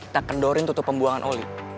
kita kendorin tutup pembuangan oli